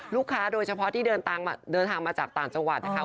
โดยเฉพาะที่เดินทางมาจากต่างจังหวัดนะคะ